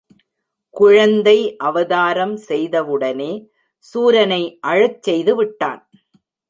குழந்தை அவதாரம் செய்தவுடனே சூரனை அழச் செய்துவிட்டான்.